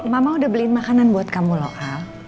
mama udah beliin makanan buat kamu loh al